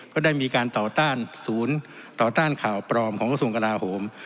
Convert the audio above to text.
ก็ได้มีการต่อต้านสูญต่อต้านข่าวปลอมของส่งกราโหม